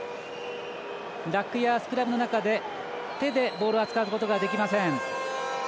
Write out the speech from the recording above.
ラックやスクラムの中で手でボールを扱うことができません。